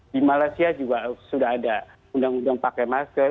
di malaysia juga sudah ada undang undang pakai masker